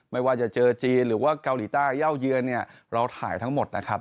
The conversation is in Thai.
ไม่ว่าจะเจอจีนหรือว่าเกาหลีใต้เย่าเยือนเนี่ยเราถ่ายทั้งหมดนะครับ